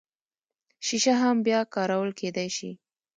شیشه هم بیا کارول کیدی شي